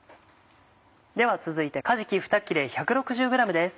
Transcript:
では続いてかじき２切れ１６０ｇです。